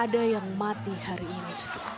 ada yang mati hari ini